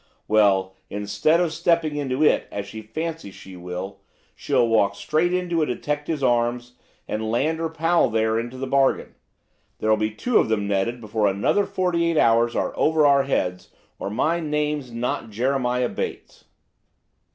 Well, instead of stepping into it, as she fancies she will, she'll walk straight into a detective's arms, and land her pal there into the bargain. There'll be two of them netted before another forty eight hours are over our heads, or my name's not Jeremiah Bates."